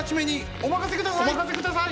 おまかせください！